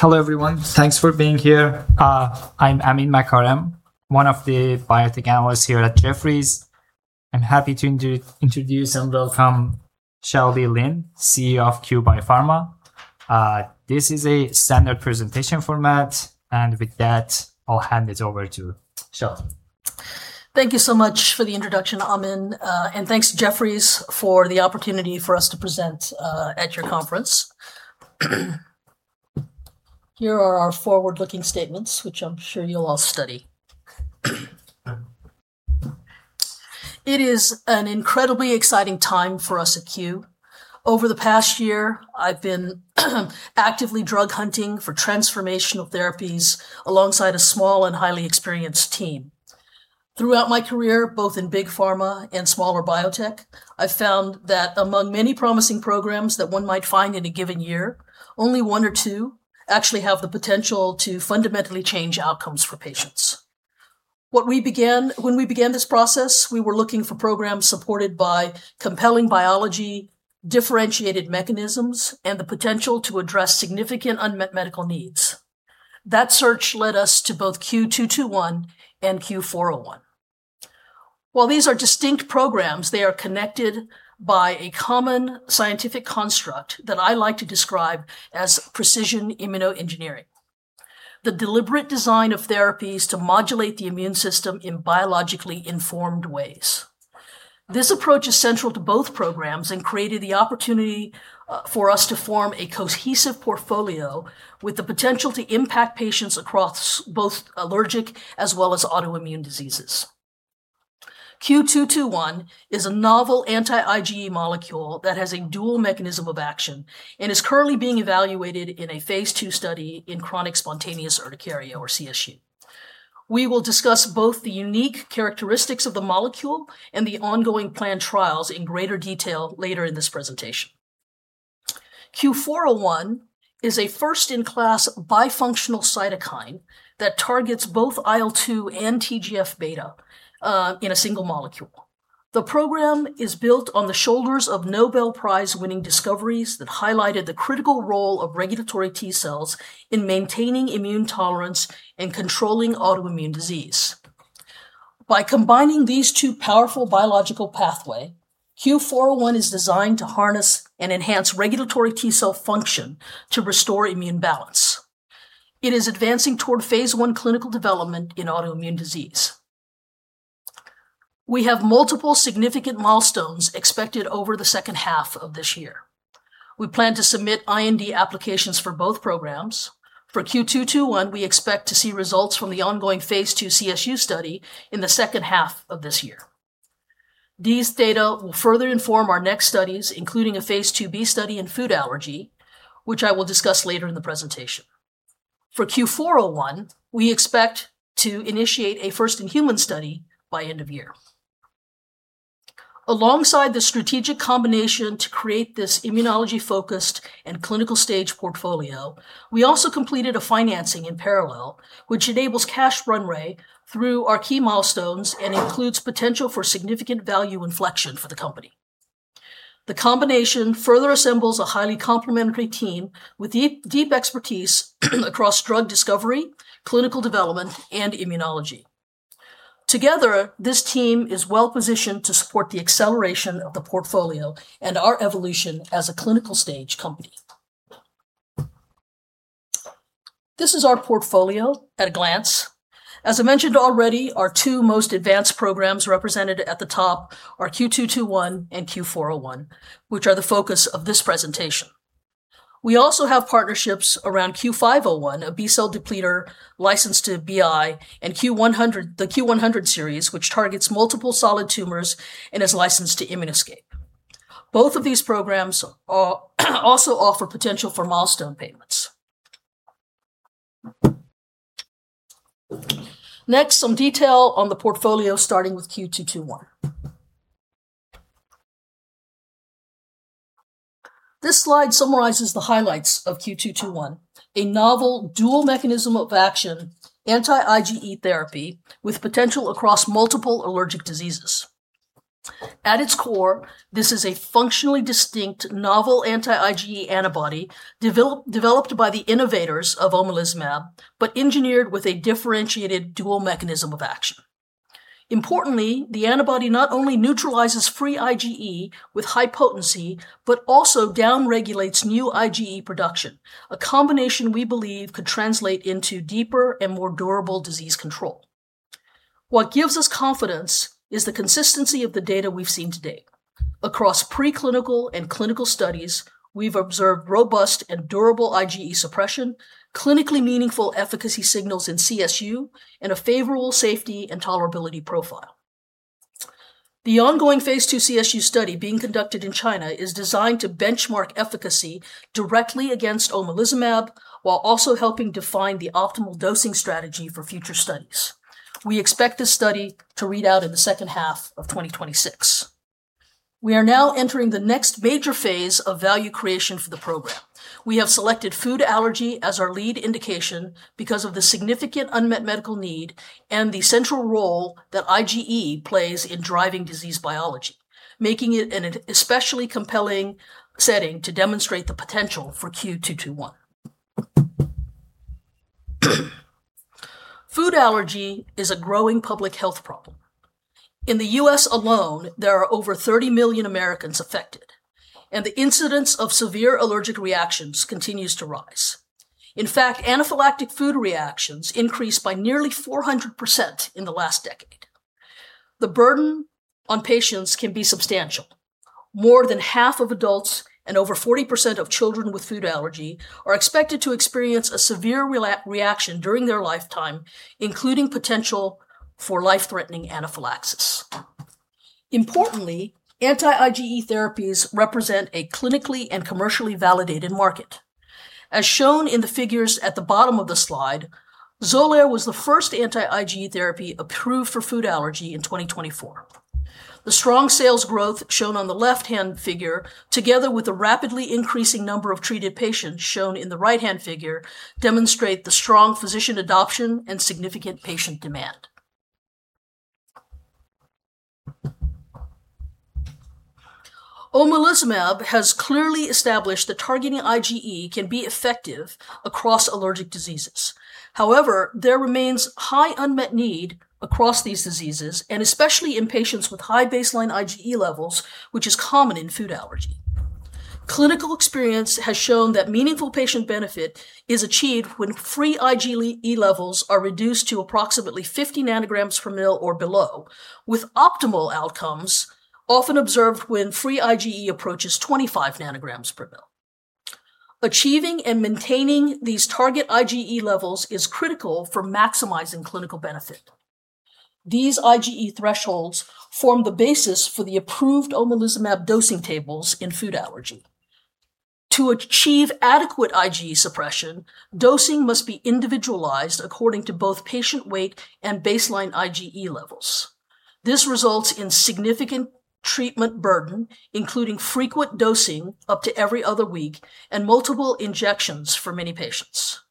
Hello, everyone. Thanks for being here. I'm Amin Makarem, one of the biotech analysts here at Jefferies. I'm happy to introduce and welcome Shao-Lee Lin, CEO of Cue Biopharma. This is a standard presentation format, and with that, I'll hand it over to Shao. Thank you so much for the introduction, Amin, and thanks, Jefferies, for the opportunity for us to present at your conference. Here are our forward-looking statements, which I'm sure you'll all study. It is an incredibly exciting time for us at Cue. Over the past year, I've been actively drug hunting for transformational therapies alongside a small and highly experienced team. Throughout my career, both in big pharma and smaller biotech, I've found that among many promising programs that one might find in a given year, only one or two actually have the potential to fundamentally change outcomes for patients. When we began this process, we were looking for programs supported by compelling biology, differentiated mechanisms, and the potential to address significant unmet medical needs. That search led us to both CUE-221 and CUE-401. While these are distinct programs, they are connected by a common scientific construct that I like to describe as precision immunoengineering, the deliberate design of therapies to modulate the immune system in biologically informed ways. This approach is central to both programs and created the opportunity for us to form a cohesive portfolio with the potential to impact patients across both allergic as well as autoimmune diseases. CUE-221 is a novel anti-IgE molecule that has a dual mechanism of action and is currently being evaluated in a phase II study in chronic spontaneous urticaria or CSU. We will discuss both the unique characteristics of the molecule and the ongoing planned trials in greater detail later in this presentation. CUE-401 is a first-in-class bifunctional cytokine that targets both IL-2 and TGF-beta in a single molecule. The program is built on the shoulders of Nobel Prize-winning discoveries that highlighted the critical role of regulatory T cells in maintaining immune tolerance and controlling autoimmune disease. By combining these two powerful biological pathways, CUE-401 is designed to harness and enhance regulatory T cell function to restore immune balance. It is advancing toward phase I clinical development in autoimmune disease. We have multiple significant milestones expected over the second half of this year. We plan to submit IND applications for both programs. For CUE-221, we expect to see results from the ongoing phase II CSU study in the second half of this year. These data will further inform our next studies, including a phase II-B study in food allergy, which I will discuss later in the presentation. For CUE-401, we expect to initiate a first-in-human study by end of year. Alongside the strategic combination to create this immunology-focused and clinical stage portfolio, we also completed a financing in parallel, which enables cash runway through our key milestones and includes potential for significant value inflection for the company. The combination further assembles a highly complementary team with deep expertise across drug discovery, clinical development, and immunology. Together, this team is well-positioned to support the acceleration of the portfolio and our evolution as a clinical stage company. This is our portfolio at a glance. As I mentioned already, our two most advanced programs represented at the top are CUE-221 and CUE-401, which are the focus of this presentation. We also have partnerships around CUE-501, a B-cell depleter licensed to BI, and the CUE-100 series, which targets multiple solid tumors and is licensed to ImmunoScape. Both of these programs also offer potential for milestone payments. Next, some detail on the portfolio, starting with CUE-221. This slide summarizes the highlights of CUE-221, a novel dual mechanism of action anti-IgE therapy with potential across multiple allergic diseases. At its core, this is a functionally distinct novel anti-IgE antibody developed by the innovators of omalizumab but engineered with a differentiated dual mechanism of action. Importantly, the antibody not only neutralizes free IgE with high potency but also downregulates new IgE production, a combination we believe could translate into deeper and more durable disease control. What gives us confidence is the consistency of the data we've seen to date. Across preclinical and clinical studies, we've observed robust and durable IgE suppression, clinically meaningful efficacy signals in CSU, and a favorable safety and tolerability profile. The ongoing Phase II CSU study being conducted in China is designed to benchmark efficacy directly against omalizumab while also helping define the optimal dosing strategy for future studies. We expect this study to read out in the second half of 2026. We are now entering the next major phase of value creation for the program. We have selected food allergy as our lead indication because of the significant unmet medical need and the central role that IgE plays in driving disease biology, making it an especially compelling setting to demonstrate the potential for CUE-221. Food allergy is a growing public health problem. In the U.S. alone, there are over 30 million Americans affected, and the incidence of severe allergic reactions continues to rise. In fact, anaphylactic food reactions increased by nearly 400% in the last decade. The burden on patients can be substantial. More than half of adults and over 40% of children with food allergy are expected to experience a severe reaction during their lifetime, including potential for life-threatening anaphylaxis. Importantly, anti-IgE therapies represent a clinically and commercially validated market. As shown in the figures at the bottom of the slide, XOLAIR was the first anti-IgE therapy approved for food allergy in 2024. The strong sales growth shown on the left-hand figure, together with the rapidly increasing number of treated patients shown in the right-hand figure, demonstrate the strong physician adoption and significant patient demand. Omalizumab has clearly established that targeting IgE can be effective across allergic diseases. However, there remains high unmet need across these diseases, and especially in patients with high baseline IgE levels, which is common in food allergy. Clinical experience has shown that meaningful patient benefit is achieved when free IgE levels are reduced to approximately 50 ng/mL or below, with optimal outcomes often observed when free IgE approaches 25 ng/mL. Achieving and maintaining these target IgE levels is critical for maximizing clinical benefit. These IgE thresholds form the basis for the approved omalizumab dosing tables in food allergy. To achieve adequate IgE suppression, dosing must be individualized according to both patient weight and baseline IgE levels. This results in significant treatment burden, including frequent dosing up to every other week and multiple injections for many patients.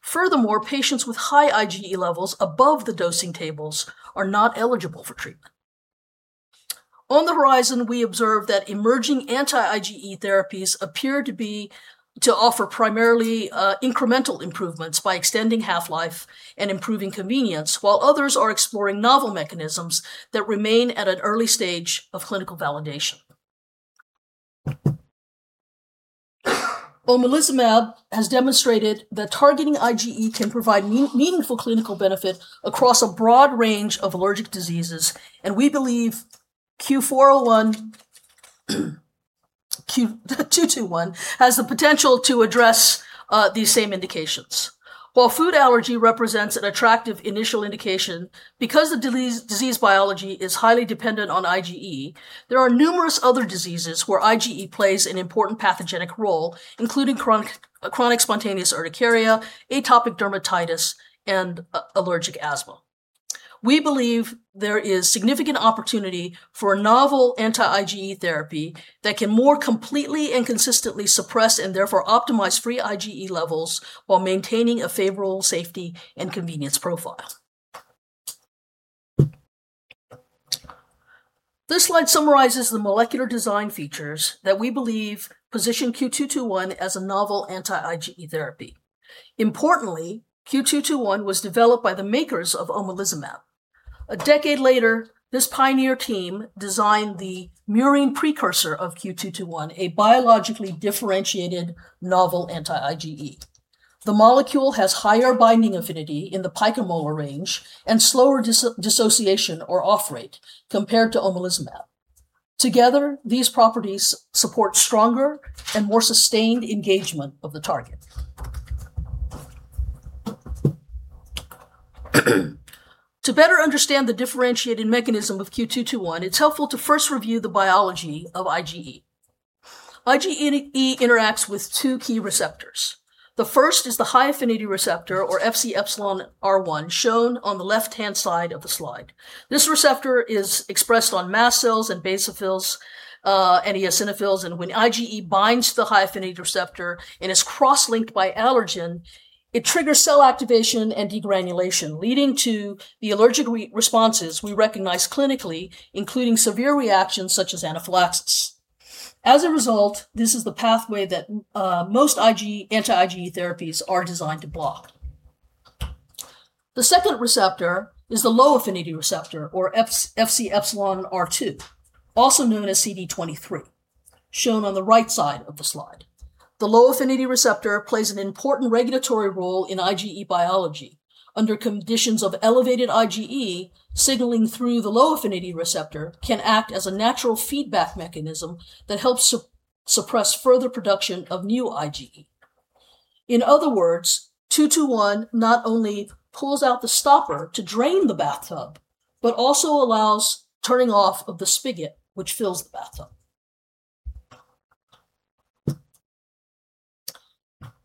Furthermore, patients with high IgE levels above the dosing tables are not eligible for treatment. On the horizon, we observe that emerging anti-IgE therapies appear to offer primarily incremental improvements by extending half-life and improving convenience, while others are exploring novel mechanisms that remain at an early stage of clinical validation. Omalizumab has demonstrated that targeting IgE can provide meaningful clinical benefit across a broad range of allergic diseases, and we believe CUE-221 has the potential to address these same indications. While food allergy represents an attractive initial indication because the disease biology is highly dependent on IgE, there are numerous other diseases where IgE plays an important pathogenic role, including chronic spontaneous urticaria, atopic dermatitis, and allergic asthma. We believe there is significant opportunity for a novel anti-IgE therapy that can more completely and consistently suppress and therefore optimize free IgE levels while maintaining a favorable safety and convenience profile. This slide summarizes the molecular design features that we believe position CUE-221 as a novel anti-IgE therapy. Importantly, CUE-221 was developed by the makers of omalizumab. A decade later, this pioneer team designed the murine precursor of CUE-221, a biologically differentiated novel anti-IgE. The molecule has higher binding affinity in the picomolar range and slower dissociation or off rate compared to omalizumab. Together, these properties support stronger and more sustained engagement of the target. To better understand the differentiated mechanism of CUE-221, it's helpful to first review the biology of IgE. IgE interacts with two key receptors. The first is the high-affinity receptor, or Fc-epsilon R1, shown on the left-hand side of the slide. This receptor is expressed on mast cells and basophils, eosinophils, when IgE binds the high-affinity receptor and is cross-linked by allergen, it triggers cell activation and degranulation, leading to the allergic responses we recognize clinically, including severe reactions such as anaphylaxis. As a result, this is the pathway that most anti-IgE therapies are designed to block. The second receptor is the low-affinity receptor, or Fc-epsilon R2, also known as CD23, shown on the right side of the slide. The low-affinity receptor plays an important regulatory role in IgE biology. Under conditions of elevated IgE, signaling through the low-affinity receptor can act as a natural feedback mechanism that helps suppress further production of new IgE. In other words, 221 not only pulls out the stopper to drain the bathtub, also allows turning off of the spigot, which fills the bathtub.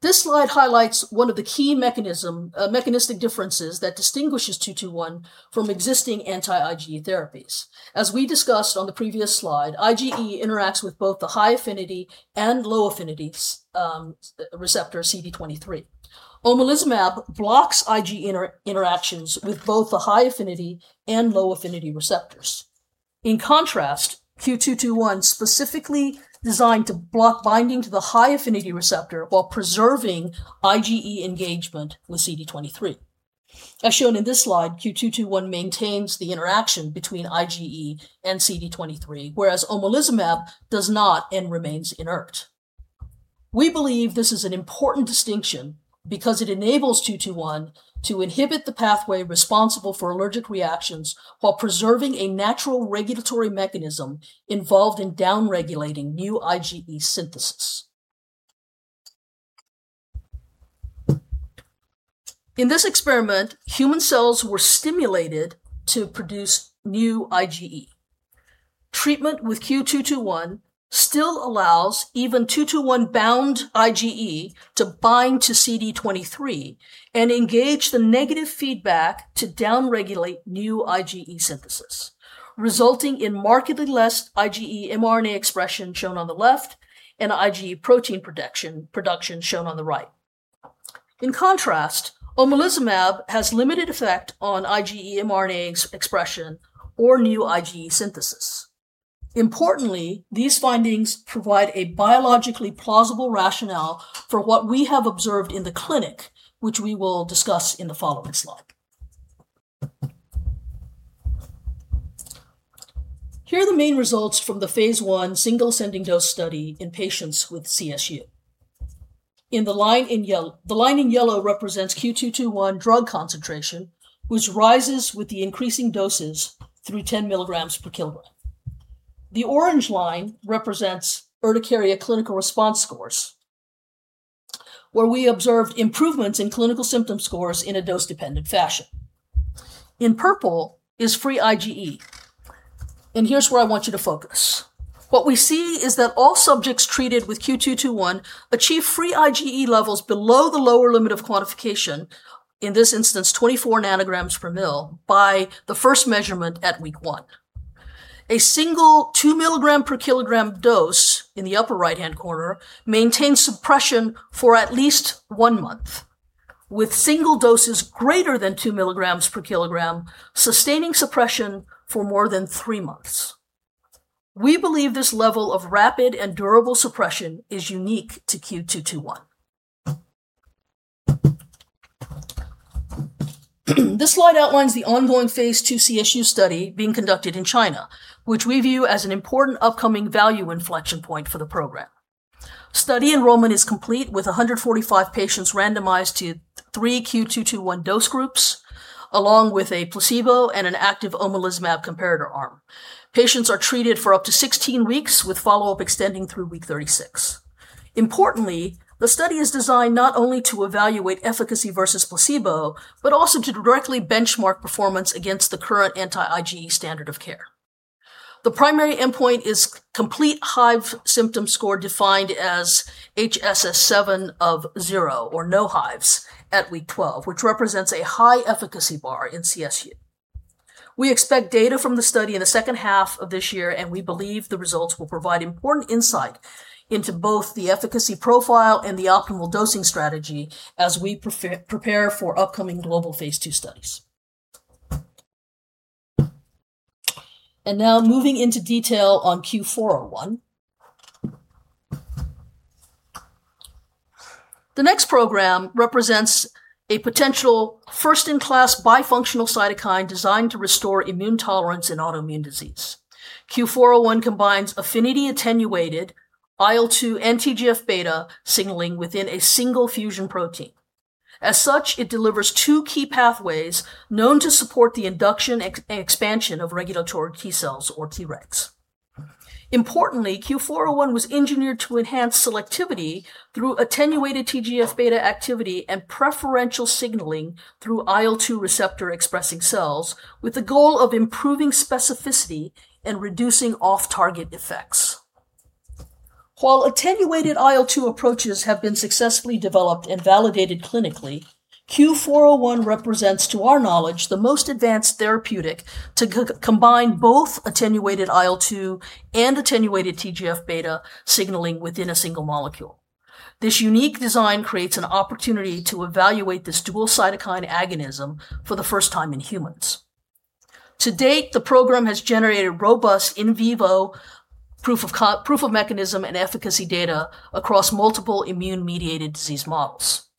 This slide highlights one of the key mechanistic differences that distinguishes CUE-221 from existing anti-IgE therapies. As we discussed on the previous slide, IgE interacts with both the high-affinity and low-affinity receptor, CD23. Omalizumab blocks IgE interactions with both the high-affinity and low-affinity receptors. In contrast, CUE-221 specifically designed to block binding to the high-affinity receptor while preserving IgE engagement with CD23. As shown in this slide, CUE-221 maintains the interaction between IgE and CD23, whereas omalizumab does not and remains inert. We believe this is an important distinction because it enables CUE-221 to inhibit the pathway responsible for allergic reactions while preserving a natural regulatory mechanism involved in down-regulating new IgE synthesis. In this experiment, human cells were stimulated to produce new IgE. Treatment with CUE-221 still allows even CUE-221-bound IgE to bind to CD23 and engage the negative feedback to down-regulate new IgE synthesis, resulting in markedly less IgE mRNA expression, shown on the left, and IgE protein production shown on the right. In contrast, omalizumab has limited effect on IgE mRNA expression or new IgE synthesis. Importantly, these findings provide a biologically plausible rationale for what we have observed in the clinic, which we will discuss in the following slide. Here are the main results from the phase I single ascending dose study in patients with CSU. The line in yellow represents CUE-221 drug concentration, which rises with the increasing doses through 10 mg/kg. The orange line represents urticaria clinical response scores, where we observed improvements in clinical symptom scores in a dose-dependent fashion. In purple is free IgE, and here's where I want you to focus. What we see is that all subjects treated with CUE-221 achieve free IgE levels below the lower limit of quantification, in this instance, 24 ng/mL, by the first measurement at week one. A single 2mg/kg dose in the upper right-hand corner maintains suppression for at least one month. With single doses greater than 2 mg/kg, sustaining suppression for more than three months. We believe this level of rapid and durable suppression is unique to CUE-221. This slide outlines the ongoing phase II CSU study being conducted in China, which we view as an important upcoming value inflection point for the program. Study enrollment is complete with 145 patients randomized to three CUE-221 dose groups, along with a placebo and an active omalizumab comparator arm. Patients are treated for up to 16 weeks with follow-up extending through week 36. Importantly, the study is designed not only to evaluate efficacy versus placebo, but also to directly benchmark performance against the current anti-IgE standard of care. The primary endpoint is complete hive symptom score defined as HSS7 of zero or no hives at week 12, which represents a high efficacy bar in CSU. We expect data from the study in the second half of this year, and we believe the results will provide important insight into both the efficacy profile and the optimal dosing strategy as we prepare for upcoming global phase II studies. Now moving into detail on CUE-401. The next program represents a potential first-in-class bifunctional cytokine designed to restore immune tolerance in autoimmune disease. CUE-401 combines affinity-attenuated IL-2 and TGF-beta signaling within a single fusion protein. As such, it delivers two key pathways known to support the induction expansion of regulatory T cells or Tregs. Importantly, CUE-401 was engineered to enhance selectivity through attenuated TGF-beta activity and preferential signaling through IL-2 receptor expressing cells with the goal of improving specificity and reducing off-target effects. While attenuated IL-2 approaches have been successfully developed and validated clinically, CUE-401 represents, to our knowledge, the most advanced therapeutic to combine both attenuated IL-2 and attenuated TGF-beta signaling within a single molecule. This unique design creates an opportunity to evaluate this dual-cytokine agonism for the first time in humans. To date, the program has generated robust in vivo proof of mechanism and efficacy data across multiple immune-mediated disease models.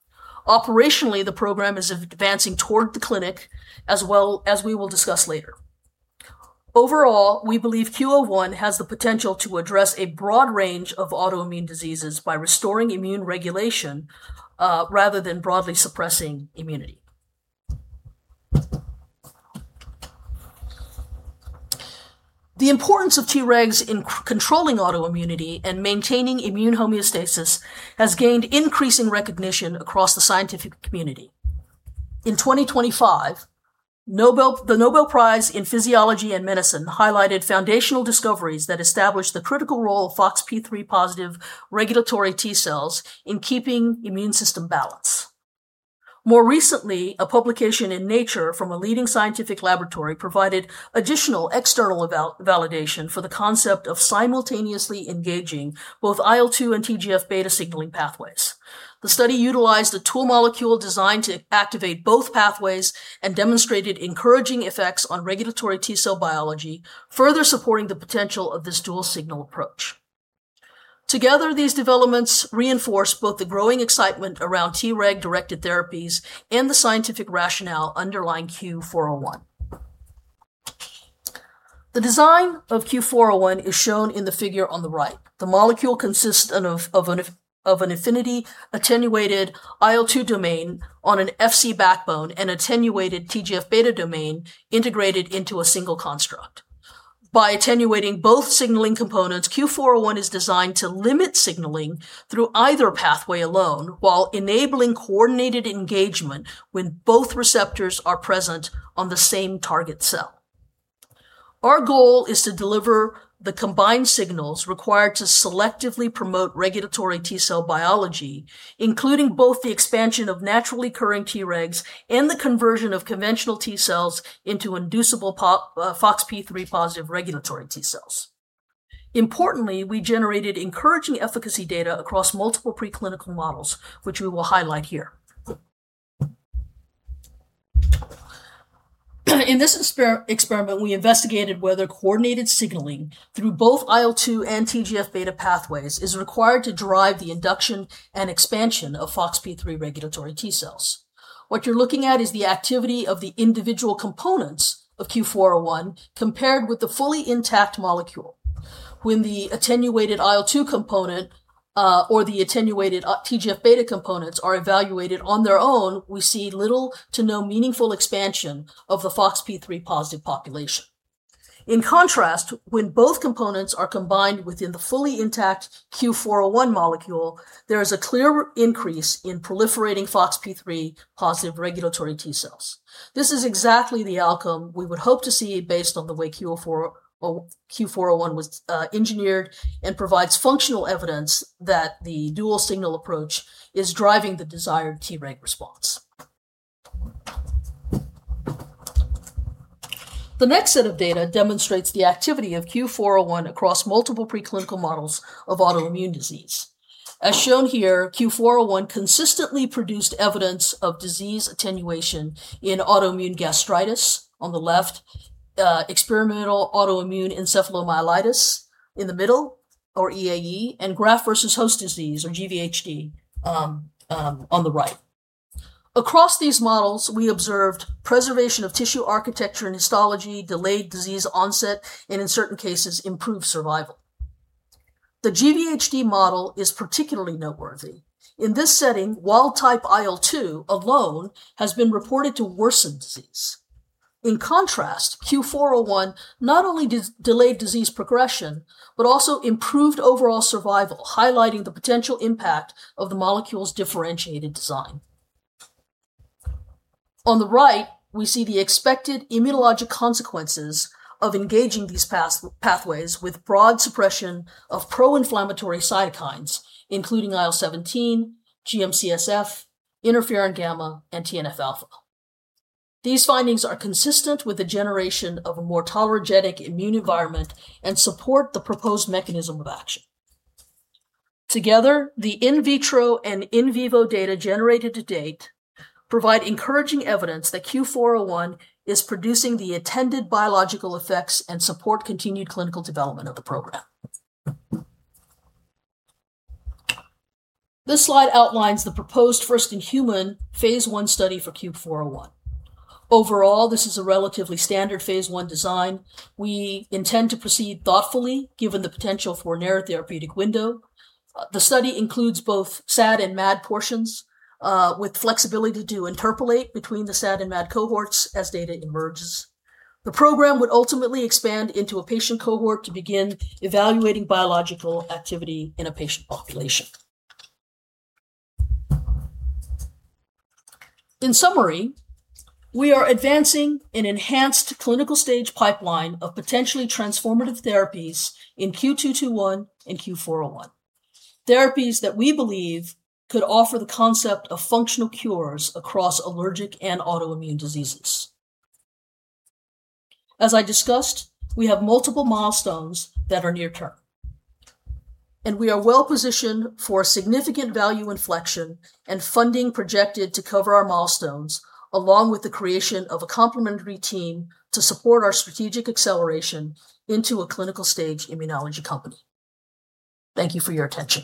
Operationally, the program is advancing toward the clinic as we will discuss later. Overall, we believe CUE-401 has the potential to address a broad range of autoimmune diseases by restoring immune regulation, rather than broadly suppressing immunity. The importance of Tregs in controlling autoimmunity and maintaining immune homeostasis has gained increasing recognition across the scientific community. In 2025, the Nobel Prize in Physiology or Medicine highlighted foundational discoveries that established the critical role of FoxP3+ regulatory T cells in keeping immune system balance. More recently, a publication in "Nature" from a leading scientific laboratory provided additional external validation for the concept of simultaneously engaging both IL-2 and TGF-beta signaling pathways. The study utilized a tool molecule designed to activate both pathways and demonstrated encouraging effects on regulatory T cell biology, further supporting the potential of this dual-signal approach. Together, these developments reinforce both the growing excitement around Treg-directed therapies and the scientific rationale underlying CUE-401. The design of CUE-401 is shown in the figure on the right. The molecule consists of an affinity-attenuated IL-2 domain on an Fc backbone and attenuated TGF-beta domain integrated into a single construct. By attenuating both signaling components, CUE-401 is designed to limit signaling through either pathway alone, while enabling coordinated engagement when both receptors are present on the same target cell. Our goal is to deliver the combined signals required to selectively promote regulatory T cell biology, including both the expansion of naturally occurring Tregs and the conversion of conventional T cells into inducible FoxP3+ regulatory T cells. Importantly, we generated encouraging efficacy data across multiple preclinical models, which we will highlight here. In this experiment, we investigated whether coordinated signaling through both IL-2 and TGF-beta pathways is required to drive the induction and expansion of FoxP3 regulatory T cells. What you're looking at is the activity of the individual components of CUE-401 compared with the fully intact molecule. When the attenuated IL-2 component, or the attenuated TGF-beta components are evaluated on their own, we see little to no meaningful expansion of the FoxP3+ population. In contrast, when both components are combined within the fully intact CUE-401 molecule, there is a clear increase in proliferating FoxP3+ regulatory T cells. This is exactly the outcome we would hope to see based on the way CUE-401 was engineered and provides functional evidence that the dual signal approach is driving the desired Treg response. The next set of data demonstrates the activity of CUE-401 across multiple preclinical models of autoimmune disease. As shown here, CUE-401 consistently produced evidence of disease attenuation in autoimmune gastritis on the left, experimental autoimmune encephalomyelitis in the middle, or EAE, and graft-versus-host disease or GvHD on the right. Across these models, we observed preservation of tissue architecture and histology, delayed disease onset, and in certain cases, improved survival. The GvHD model is particularly noteworthy. In this setting, wild-type IL-2 alone has been reported to worsen disease. In contrast, CUE-401 not only delayed disease progression, but also improved overall survival, highlighting the potential impact of the molecule's differentiated design. On the right, we see the expected immunologic consequences of engaging these pathways with broad suppression of pro-inflammatory cytokines, including IL-17, GM-CSF, interferon-gamma, and TNF-alpha. These findings are consistent with the generation of a more tolerogenic immune environment and support the proposed mechanism of action. Together, the in vitro and in vivo data generated to date provide encouraging evidence that CUE-401 is producing the attended biological effects and support continued clinical development of the program. This slide outlines the proposed first-in-human phase I study for CUE-401. Overall, this is a relatively standard phase I design. We intend to proceed thoughtfully given the potential for narrow therapeutic window. The study includes both SAD and MAD portions, with flexibility to interpolate between the SAD and MAD cohorts as data emerges. The program would ultimately expand into a patient cohort to begin evaluating biological activity in a patient population. In summary, we are advancing an enhanced clinical stage pipeline of potentially transformative therapies in CUE-221 and CUE-401, therapies that we believe could offer the concept of functional cures across allergic and autoimmune diseases. As I discussed, we have multiple milestones that are near-term, we are well positioned for significant value inflection and funding projected to cover our milestones, along with the creation of a complementary team to support our strategic acceleration into a clinical stage immunology company. Thank you for your attention.